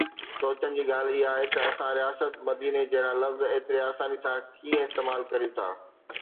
سوچڻ جي ڳالهه اها آهي ته اسان رياست مديني جهڙا لفظ ايتري آساني سان ڪيئن استعمال ڪريون ٿا.